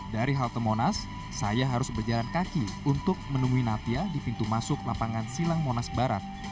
dari halte monas saya harus berjalan kaki untuk menemui natia di pintu masuk lapangan silang monas barat